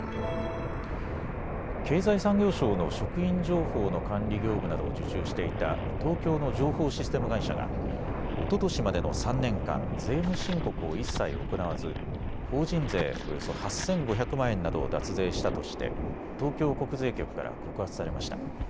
経済産業省の職員情報の管理業務などを受注していた東京の情報システム会社がおととしまでの３年間、税務申告を一切、行わず法人税およそ８５００万円などを脱税したとして東京国税局から告発されました。